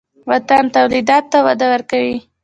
وطني تولیداتو ته وده ورکړئ